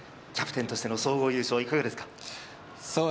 キャプテンとしての総合優勝いかがですか？